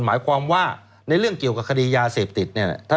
หมายความว่าในเรื่องเกี่ยวกับคดียาเสพติดเนี่ย